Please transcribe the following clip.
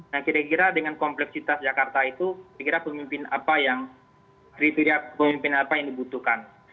nah kira kira dengan kompleksitas jakarta itu kira kira pemimpin apa yang kriteria pemimpin apa yang dibutuhkan